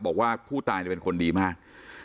บอกว่าผู้ตายเป็นคนดีมาก